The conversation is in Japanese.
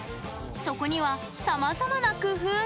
そこには、さまざまな工夫が。